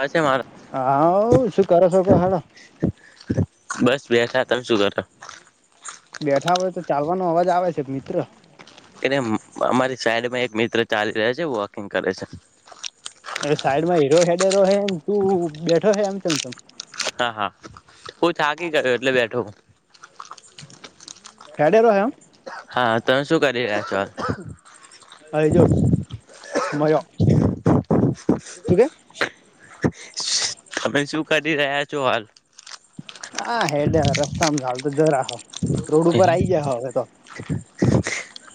છે મારો હા શું કરો છકો હાલ બસ બેઠા તમે શું કરો બેઠા હોય તો ચાલવાનો અવાજ આવે છે મિત્ર એ અમારી સાઈડમાં એક મિત્ર ચાલી રહ છે વોકિંગ કરે છે સાઈડ માં હીરો હેડેરો છેમ તું બેઠો હ એમ ચમ હા હા હું થાકી ગયો એટલે બેઠો હે ડેરો હોમ હા તમે શું કરી રહ્યા છો હાલ હઈજુ મળરો [inaudible] તમે શું કરી રહ્યા છો હાલ હ હેડ રસ્તા અમાલ [inaudible] રોડ ઉપર આઈ જયા હવે તો.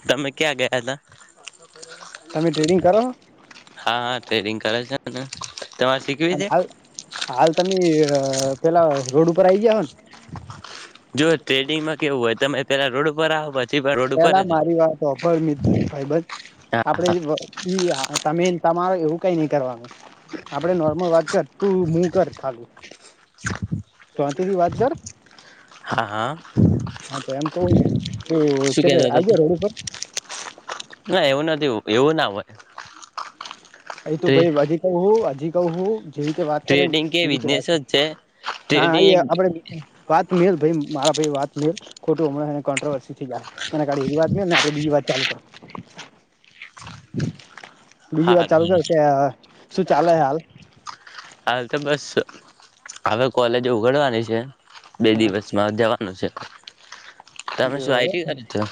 તમે ક્યાં ગયા હતા. તમે ટ્રેડિંગ કરો હા હા ટ્રેડિંગ કરે છે. [inaudible] શીખવી અને છે હાલ હાલ તમે અ પેલા રોડ ઉપર આઈ ગયા હ જો ટ્રેડિંગમાં કેવું હોય તમે પેલા રોડ ઉપર આવો પછ પેલા મારી વાત અભર મિત્ર ભાઈબજ આપડે હા તમે તમાર એવું કઈ નહી કરવાનું આપડે નોર્મલ વાત કર તું હું કર થાગું [inaudible] હા તો એમ કવું તું ચ શું કેતા આઈ ગયો હતા રોડ ઉપર. ના એવું નથી એવું ના હોય. એ તો ભાઈ હજી ક હો હજી [inaudible] જેવી રીતે વાત કરે ટ્રેડિંગ કે ને એતે બિઝનેસ વાત છે જ ટ્રેડિંગ એક હા આપણેે વાત મે ભાઈ મારા ભાઈ વાત ખોટ અમને કોન્ટટ્રવર્સી જાય એડી એવી વાત ને આપડે બીજી વાત ચાલુ કર. [inaudible] બીજી હા વાત ચાલુ કર કે શું ચાલે હાલ. હાલ તો બસ હવે કોલેજ ઉગડવાની છે. બે દિવસમાં જવાનું છે. તમે શું એવુ આઈટી કરી છો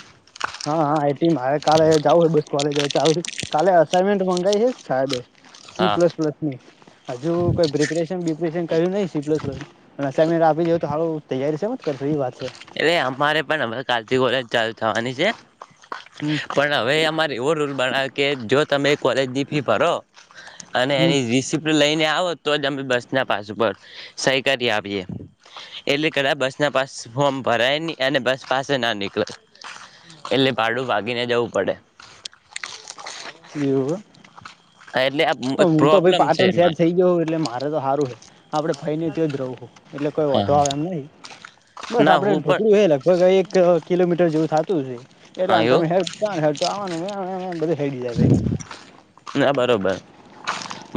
હા હા આઈટી મા કાલેયા જાવ હોય બસ કોલેજ ચાલુ કાલે અસાઈનમેન્ટ મંગાવી છે સાહેબ. સી હા પ્લસ પ્લસ ની હજુ કોઈ પ્રિપ્રેશન બિપ્રેશન કર્યું નહી શીપસનુ અસાઈનમેન્ટ આપી દ તોારું તૈયારી છેમ જ કરશો એ વાત છે. એ અમારે પણ કાથી કોલેજ ચાલુ થવાની છે હમ પણ હવે અમારે એવો રૂલ બનાવે કે જો તમે કોલેજની ફી ભરો અને એની રિસપ્ટ લઈને આવ તો જ અમે બસ ના પાસ ઉપર સહી કરી આપીએ એટલે કદાચ બસ ના પાસ ફોર્મ ભરાય નહી અને બસ પાસે ના નીકળે એટલે ભાડું ભાગીને જવું પડે. [inaudible] એટલે આ હ એક હું તો ભાઈ પ્રોબ્લેમ છે પાટણ શહેર મારે થઈ ગયો એટલે મારે તો સારું છે આપડે ફઈ નને તો જ રહું એટલે કોઈ હા વધો આવે એમ નહી બસ ના આપડે હું ઢોકળું પણ હ લગભગ એક કિલોમીટર જેવું થતું છે એટલે હા એવો તમે હે [unintelligible] ના બરોબર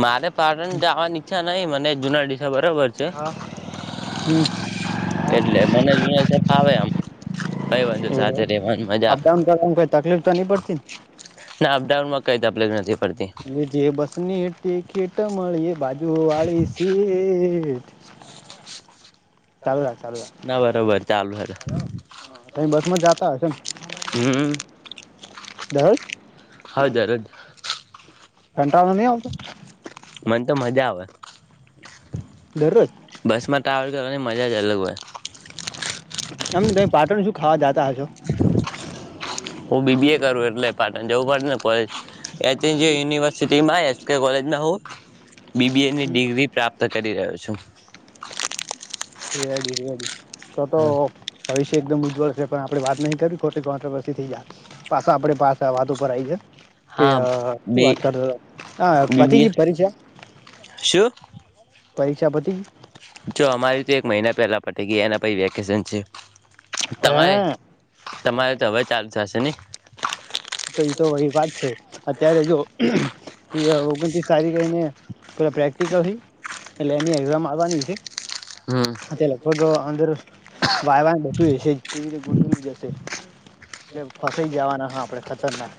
મારે કારણ જવા ઈચ્છા નહી અને જુના ડીશા બરોબર છે છે હા હમ એટલે મને જુના ડિશા ફાવે આમ કઈ વાંધુ સાથે એવું રહેેવાની મજા અપડાઉન કરવાવામાં કોઈ તકલીફ તો નહી પડતી ના અપડાઉનમાં કઈ તકલીફ નથી પડતી એ જે બસ ની. તે ખેટ મળી ભજા જો વા ઈ શી એ એ. રાખ ચાલુ રાખ ના બરોબર ચાલૂ હસે તમે બસ માં જતા હમ્મ દર હા દરોજ કંટાળો ની આવતો. મને તો મજા આવે. દરરોજ. [unintelligible] મજા જા અલગ હોય. એમ તે પાટણ શું ખાવા જતા હશો હું બી બી એ કરું એટલે પા જવું પડે ને કોલેજ. એથી જે યુનિવર્સિટીમાં કે કોલેજમાં હોવું બી બી એ ડિગ્રી પ્રાપ્ત ત કરી રહ્યો છું. રિયાડી રિયાડી તો તો ભવિષ્ય એકદમ ઉજ્જવળ છે. પણ આપણે વાત નહીં કરી ખ ખોતે [unintelligible] વર્સથી થઈ જહે. પાછા આપડે પાસા વા તો. બરાઈ છે. કે હા શું બી વાત કરતો હતો હ બીબીએ પતિજી પરીશા. શું જો અમારી તો એક મહિના પેલા પતી ગઈ એના પહિ વેકેશન છે. ગઈ તમારે હા તમારે તો હવે ચાલુ થશે ને. તો એ તો વહી વાત છે અત્યારે જો ઓગ તારી પ પ્રેક્ટિકલ એટ એની એામ આવવાની છે. હમ હતે લગ ભગ અંદ્ [unintelligible] વાઈ વાઈ બધું રેશે. [unintelligible] જશે ને ફસાઈ જવાના હા આપણે ખતરનાક.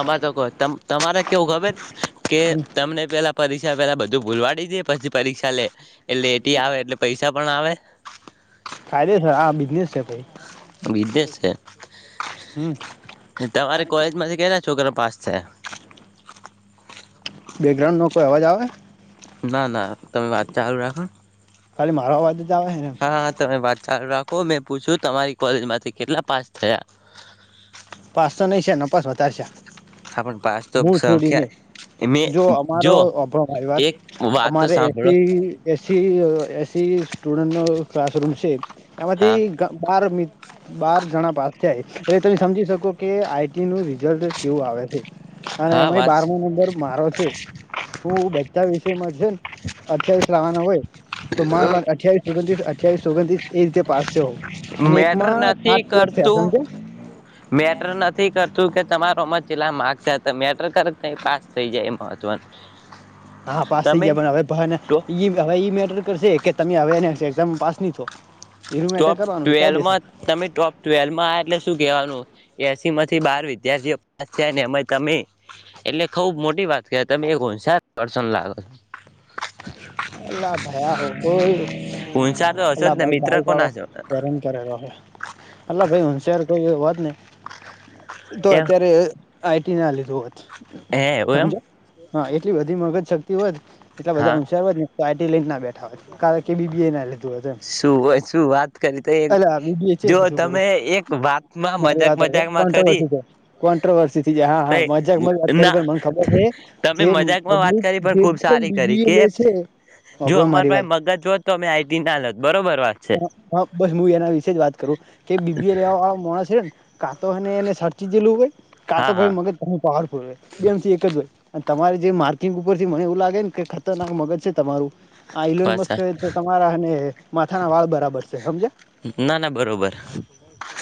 અમારે તો કો તમારે કેવું ખબર. કે તમને પેલા પરીક્ષા પેલા બધું ભૂલવાડી દે પછી પરીક્ષા લે. એટલે એટી આવે એટલે પૈસા. ક્યાપના આવે. ફાયદે છે આ બિઝનેસ છે ભ. વિીધે હમ છે તમારે કોલેજ માંથી કેલા છોકરા. પાંચ છે. [inaudible] બેકગ્રાઉન્ડ નો કોઈ અવાજ આવે. હા તમે વાત ચાલુ રાખો. ખાલી મારો અવાજ. જ આવે છે ને હા હા તમે વાત. ચાલ રાખો મેં પૂછ્યું તમારી કોલેજમાંથી કેટલા પાસ થયા. પાસ તો નહી છે ન પાાસ વધારે છે. હા પણ પાસ તો હ છોડીને સંખ્યા મેં જો અમારો જો અભત એક વાત તો અમારે સાંભળો એસી એસી એસી સ્ટુડન્ટ ન ક્લાસરૂમ છે હા એમાંથી બાર. બાર જણા પાસ થાય એટલે તમે સમજી શકો. કે આઈટી નું રિઝલ્ટ કેવું આવે છે. અને હા એમાંય વાત બારમો નંબર મારો છે હું બધા વિષયમાં છે ને અઠવીસ લાવવાનો હોય તો મારા અઠ્યાવીસ ઓગણત્રીસ. અઠ્ઠ્યાવીસ ઓગણતસ એ રીતે પાસ હો. મેટર નથી કરતું. સમજે મેટર નથી કરતું કે. તમારોમાંલા માર્ મેટર કર પાસ થઈ જાય મહવનું. હા પાસ થઈ જ હવે હવે ઈ મેટર કરશે કે તમે હવે. જેમ પાસની થ. ટોપ ટ્વેલમાં તમે ટોપ ટ્વેલમાં એટલે શું કવાનું. એ એસી માંથી બાર વિદ્યાર્થીઓ પાસ થયા ને એ તમે એટલે ખબ મોટી વાત કર તમે એકશ લાગો છો. અલાહ ભાઈ હોો હો હોનસાર તો હશો અલ્લા જ ને ભાઈ મિત્ર ભાઈ. વાો કોના છો હેરન કરેલો અટલા ભાઈ હન્શાર. વાત ને. એ તો એમ અત્યારે. આઈટી ને આ રઆત. હે એવું એમ સમજો હા એટલી બધી મગજ શક્. તવર. એટલા બધા હા હોુંશારબજી. તો આઈટી લિંક. બેઠા કારણ કે બીબી એ ના લીધું હત એ. શું શું વાત કરી તો વિડિઓ તલા છે જો કીધું તમે એક વાતમાં મારી મજાક વાત આવે મજાકમાં પણ તમે કરી કર કોન્ટ્રવરસી કોન્ટ્રવરસીથી જાહાં હ મજાકમાં વાત કરી પણ ના મને ખબર હ તમે જે મજાકમાં વાત જેબલી કરી જે ખુબ પણ સારી બી કરી બી એ કે લે છે જો હોભળો અમાર મારી પાહે વાત મગજ હોત તો અમે આઈટી ના લત બરોબર વાત છે. હા બસ હું એના વિશે જ વાત કરું કે બીબી વાળા મોણ છે ને કાં તો એને એને સાર્ચી જેલું હોઈ. કા હા તો ભાઈ હા મગજ પાવરફુલ હોય બેમથી એક જ હોય તમારે જે માર કિંક ઉપરથી મને એવું લાગે ને કે ખતરનાક મગજ છે તમારું. આ વાત ઇલોનમસ્ક તો તમારા અને માથા ના વાળ બરાબર છે તેં હમજે ના ના બરોબર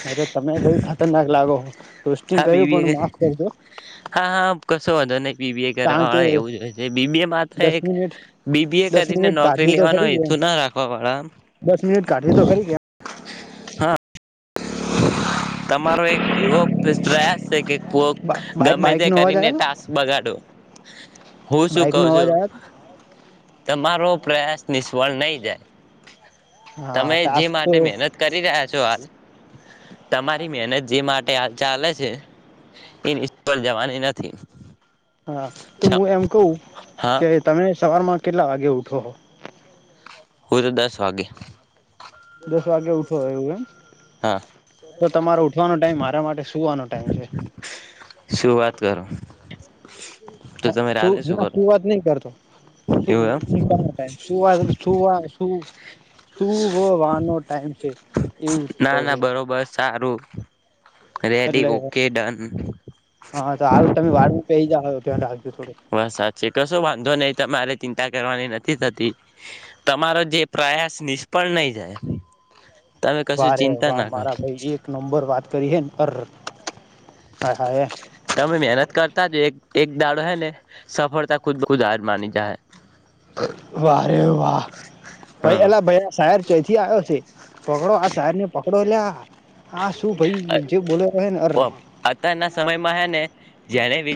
અરે તમે ભાઈ ખતરનાક. લાગો. રોસ્ટિંગ હા કર્યું બીબીએ પણ કે માફ કરજો હા હા કશો વધો નહી બીબીએ કારણ કરવા કે વાળ એવું જ હોય છે બીબી એ માત્ર દસ એક મિનિટ બીબીએ દસ કરીને મિનિટ નોકરી કાઢવી લેવાનો ખરી હે તો ના રાખવા વાળા આમ. એ તો ખરી છે. તમારો એક એવો [unintelligible] સે કે પો કેમ બાઈક ગમે બાઈક તે નો અવાજ કરીને આવ્યો ટાસ્ક બગાડો હું શું બાઈક કઉ નો અવાજ છું આવ્યો તમારો પ્રયાસ નિષ્ફળ નહી જાય હા તમે જે ટાસ્ક તો માટે મહેનત કરી રહ્યા છો હાલ તમારી મહેનત જે માટે ચાલે છે એ નિષ્ફળ જવાની નથી. હા તો હું એમ કવું હા કે તમે સવાર માં કેટલા વાગે ઉઠો? હું તો દસ વાગે. દસ વાગે ઉઠો એવું એમ હા તો તમારો ઉઠવાનો ટાઈમ મારા માટે સુવાનો ટાઈમ છે. શું વાત કરો હ તો તમે શું રાતે ના કરો સુુંવાત નહી કરતો એવું એમ ટાઈમ સુવાત તુંવા શું. [inaudible] શુંવવાનો ટાઈમ છે એવી રતે કહો. ના ના બરોબર સારું રેડી એટલે ઓકે ડન હા તો હાલ તમે વાળું થઈ જાહે. બસ સાચી કશું વાંધો નઈ તમે મારે ચિંતા કરવાની નથી થતી તમારો જે પ્રયાસ નિષ્ફળ નઈ જાય. તમે કશું વારે ચિંતા વા ના કરો મારા ભઈ એક નંબર વાત કરી હે. અર આ હાય એ તમે મહેનત કરતા જ એક એક દાડો હૈ ને સફળતા ખુદ વ ખુદ હાર માની જાહે. વારે વાહ ભાઈ અલા ભ સાહેર ચથી આવ્યો છે. પકડો આ સાહેર ને પકડો લ્યા આ શું હ ભાઈ જે બોલને અર અત્યારના સમયમાં હે ને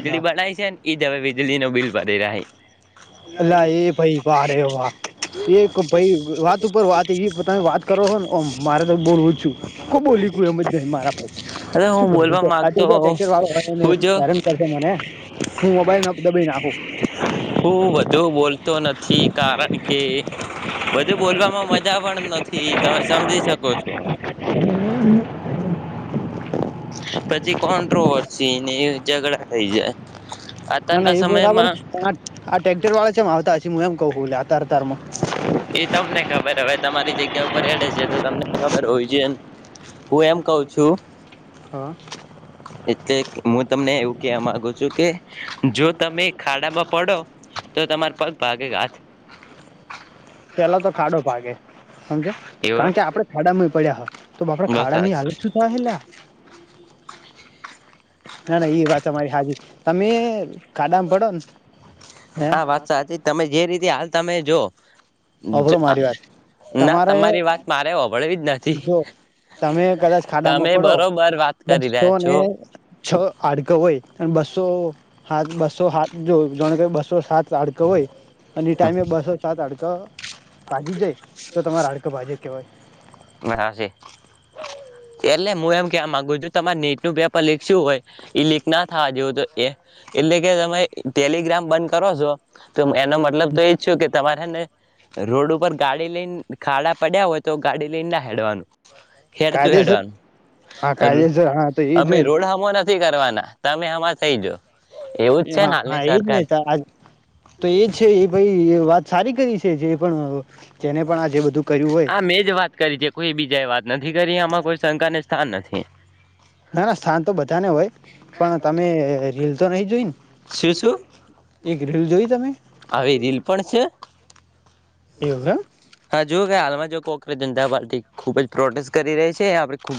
હ વીજળીનો બિલ ભરી રહ્યા હ. અલ્લાહ એ ભાઈ વા વા એ ભાઈ વાત ઉપર વાત એ તમે વાત કરો ને ઓમ મારે તો બોલવું જ છું કો બોલી એમ જ ન મારા અરે શું હું કરક બોલવા માંગતો હું જો કર મને હું મોબાઈલ દબાઈ નાખું. હું વધુ બોલતો નથી કારણ કે વધુ બોલવામાં મજા પણ નથી. તમે સમજી શકો છો. હ હ. પછી કોન્ટ્રોવર્સી ની ઝઘડા થઈ જાય. ના અત્યારના ના એ બરાબર સમયમાં આ ટક્ટેર વાળા છે એમ આવતા હશે હું એમ કવ લતારતારમાં. [inaudible] એ તમને ખબર હવે તમારી જગ્યા ઉપર અડે છે તો તમને ખબર હોવી જોઈએ હું એમ કઉ છું. હા. એટલે હું તમને એવું કેવા માંગુ છું કે જો તમે ખાડામાં પડો તો તમાર પગ ભાગે ઘાથ પેલા તો ખાડો ભાગે સમજ એવો કારણ કે આપડે ખાડામાં પડ્યા હ તો આપડા બસ ખાડા ની હાલત શું થાય એટલા ના ના એ વાતરી હાજી તમે ખાડામ પડો ને હ. હા વાત સાચી તમે જે રીતે હાલ તમે જો વાત ના તમારે તમારી વાત મારે ઓભળવી જ નથી જો તમે કદાચ તમે ખાડામાં પડો બરોબર વાત કરી બસો રહ્યા ને છો. છ આડક હોય અને બસો હા બસો સાાઠ જો જાણ કે બસો સાત હડક હોય અને ટાઈમે બસો સાત હડકા ભાજી જાય તો તમારે હાડકો ભાજું કેવાય બ છે. એટલે હું એમ કેવા માગુ છું તમારે નેટ નું પેપર લીખસું હોય એ લીક ના થવા જેવું તો એ એટલે કે તમે ટેલિગ્રામ બંધ કરો છો. તો એનો મતલબ તો એજ છ કે તમારે ને રોડ ઉપર ગાડી લઈને ખાડા પડ્યા હોય તો ગાડી લઈને ના હેડવાનું. કાયદેસર હા ખેડવાનું કાયદેસર હા તો એ અમે જોઈ ને રોડમો નથી કરવાના. તમે આમાં થઈ જો. એવું જ છે હા ને હા હાલની એજ સરકાર નહ આ તો એજ છે એ ભાઈ વાત. સારી કરી છે જે પણ. જેને પણ આ જે બધું કર્યું હોય હા મેં જ વાત કરી છે કોઈ બીજા વાત. નથી કરી આમાં કોઈ શંકા ને સ્થાન નથી. ના ના સ્થાન તો બધાને હોય પણ તમે રીલ. તો નહીં જોઈ ને. શું શું એક રીલ જોઈ તમે આવી રીલ પણ છે એવું એમ હા જોવુ કે હાલમાં જો કો ભારતીય જનતા પાર્ટી ખૂબ જ પ્રોટેસ્ટ કરી રહી છે આપણે ખૂબ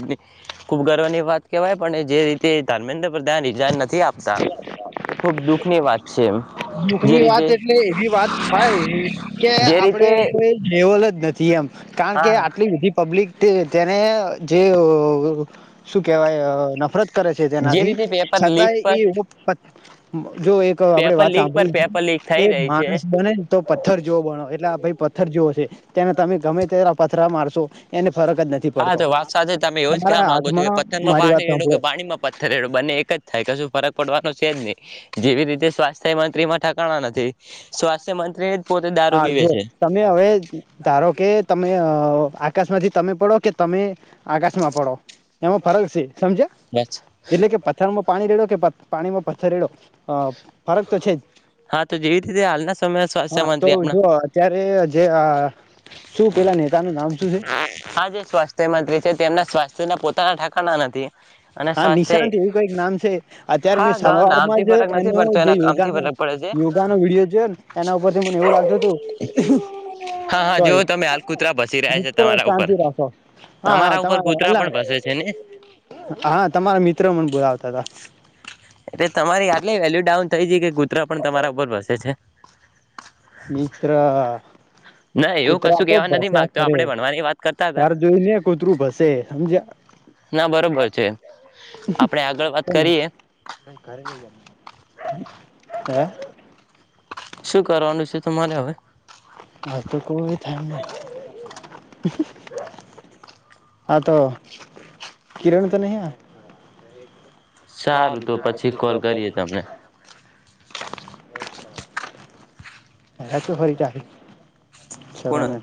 ખૂબ ગર્વ ની વાત કહેવાય પણ જે રીતે ધર્મેન્દ્ર રીઝાઈન નથી આપતા એ ખુબ દુઃખ ની વાત છે એ દુખ ની વાત એટલે એવી વાત થાય એવી જે રીતે આપડે કોઈ લેવલજ નથી એમ કારણ કે હા આટલી બધી પબ્લિક તેને જે શું કેવાય નફરત કરે છે જે તેનાથી રીતે પેપર લીક છતાંય એ પર [inaudible] જો એક આપડે પેપર વાત લીક પર પેપર લીક કે થઈ રહી છે માણસ બને ને તો પથ્થર જોવો બને એટલે આ ભાઈ પથ્ર જોવ તેને તમે ગમે ત્યારે પથરા મારશો એને ફરક જ નથી હા પડતો તો વાત સાથે તમે એવું જ કેવા તમારા માંગો છો કે હાથમાં પથ્થરમાં મારી વાત પાણી રેડો કે સાંભળો પાણી માં પથ્થર રેડો બંને એક જ થાય કે શું છે જ નહી જેવી રીતે સ્વાસ્થ્ય મંત્રી ટેકાણા નથી સ્વાસ્થ્ય મંત્રી જ પોતે દારૂ હા પીવે જુ છે તમે હવે ધારો કે તમે આકાશ માંથી તમે પડો કે તમે આકાશમાં પડો એમાં ફરક છે સમજ્યા બસ એટલે કે પથ્થરમાં પાણી રેડો કે પાણી માં પથ્થરેડો હ ફરક તો છે જ હા તો જેવી રીતે હાલના સમયે સ્વાસ્થ્ય હા તો મંત્રી આપણા જો અત્યારે જે આ શું પેલા નેતાનું નામ શું છે આ જે સ્વાસ્થ્ય મંત્રી છે તેમના સ્વાસ્થ્ય સના પોતા ઠકાણાના નથી અને હા સ્વાસ્થ્ય નિશાંત એવું કઈક નામ છે અત્યારે મે હા સવારમાં નામથી જ ફરક નથી એનો પડતો જે એના કામથી યોગાનો ફરક પડે છે યોગાનો વિડીયો છેને એના ઉપરથી મને એવું લાગત્યું હા હતું હા જો સોરી તમે હાલ કૂતરા ભસી રહ્યા છે તમારા ઉપર શાંતિ રાખો હા હા તમારા ઉપર કૂતરા અલા પણ ભસે છે ને હા તમારા મિત્રો મને બોલાવતા હતા એ તમારી આટલી વેલ્યુ ડાઉ થઈાય ગ. મિત પણ તમારા ઉપર વસે છે. મિસ્િત્ર. ના એવું કૂતરા કશું તો કહેવા નથી ભસ્યા માંગતો ખરે આપણે ભણવાની વાત કરતા હતા ઘર જોઈ ને કૂતરું ભસે સમજ. ના બરોબર છે. આપણે આગળ વાત ઘરે કરીએ જ હ. શું કરવાનું છે તમારે હવે. આત કો થને હ તો. કિરણ તો ન. સારું તો પછી કોલ કરીએ તમને. અ પૈસા. શરવાણ.